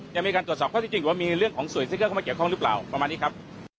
ยังมีการตรวจสอบข้อที่จริงว่ามีเรื่องของสวยซิเกอร์เข้ามาเกี่ยวข้องหรือเปล่าประมาณนี้ครับ